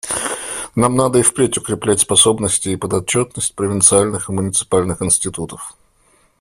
Нам надо и впредь укреплять способности и подотчетность провинциальных и муниципальных институтов.